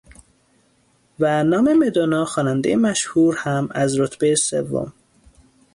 و نام مدونا خواننده مشهور هم از رتبه سوم